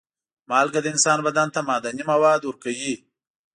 مالګه د انسان بدن ته معدني مواد ورکوي.